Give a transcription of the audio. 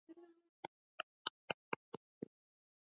wanaoandamana kwa amani hakika ni swala ambalo